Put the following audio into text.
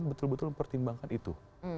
betul betul mempertimbangkan itu